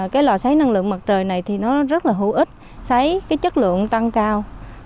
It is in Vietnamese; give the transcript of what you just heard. cái lò xáy năng lượng mặt trời này thì nó rất là hữu ích xây cái chất lượng tăng cao